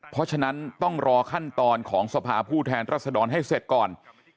เพราะฉะนั้นต้องรอขั้นตอนของสภาผู้แทนรัศดรให้เสร็จก่อน